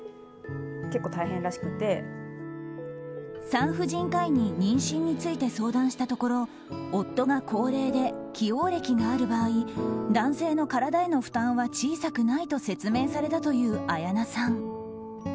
産婦人科医に妊娠について相談したところ夫が高齢で既往歴がある場合男性の体への負担は小さくないと説明されたという綾菜さん。